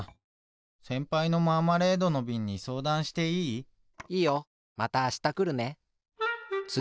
せんぱいのマーマレードのびんにそうだんしていい？いいよ。またあしたくるね。